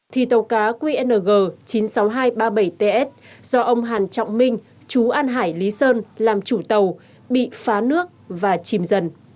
thì tàu cá qng chín mươi sáu nghìn hai trăm ba mươi bảy ts do ông hàn trọng minh chú an hải lý sơn làm chủ tàu bị phá nước và chìm dần